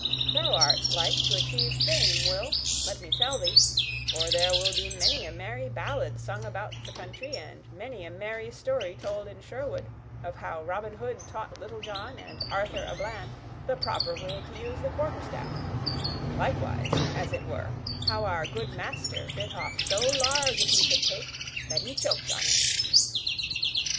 Thou art like to achieve fame, Will, let me tell thee, for there will be many a merry ballad sung about the country, and many a merry story told in Sherwood of how Robin Hood taught Little John and Arthur a Bland the proper way to use the quarterstaff; likewise, as it were, how our good master bit off so large a piece of cake that he choked on it."